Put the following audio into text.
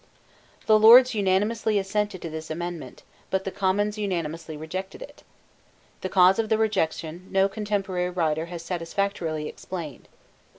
The Lords unanimously assented to this amendment: but the Commons unanimously rejected it. The cause of the rejection no contemporary writer has satisfactorily explained.